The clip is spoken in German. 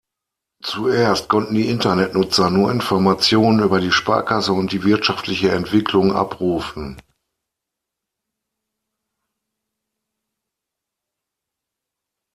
Zuerst konnten die Internetnutzer nur Informationen über die Sparkasse und die wirtschaftliche Entwicklung abrufen.